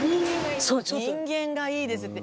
「人間がいい」ですって。